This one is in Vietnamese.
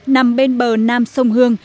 nằm bên bờ nam sông hương